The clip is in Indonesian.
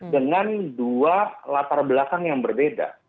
dengan dua latar belakang yang berbeda